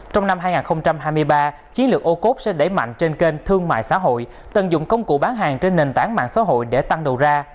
trong năm hai nghìn hai mươi ba chiến lược ô cốp sẽ đẩy mạnh trên kênh thương mại xã hội tận dụng công cụ bán hàng trên nền tảng mạng xã hội để tăng đầu ra